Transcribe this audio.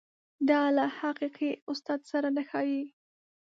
دا له حقیقي استاد سره نه ښايي.